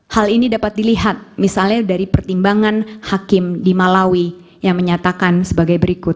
hal ini dapat dilihat misalnya dari pertimbangan hakim di malawi yang menyatakan sebagai berikut